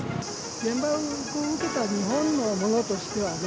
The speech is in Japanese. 原爆を受けた日本の者としてはね、